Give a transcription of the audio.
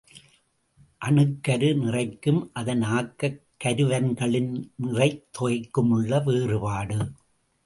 அணுக்கரு நிறைக்கும் அதன் ஆக்கக் கருவன்களின் நிறைத் தொகைக்குமுள்ள வேறுபாடு.